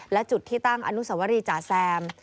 และจุดที่ตั้งอนุสวรีจ๋าแซม